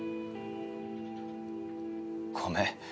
ごめん